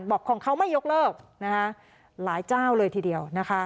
บอกของเขาไม่ยกเลิกหลายเจ้าเลยทีเดียวนะคะ